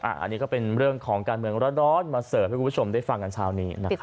อันนี้ก็เป็นเรื่องของการเมืองร้อนมาเสิร์ฟให้คุณผู้ชมได้ฟังกันเช้านี้นะครับ